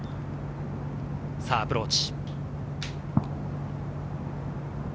さぁ、アプローチ。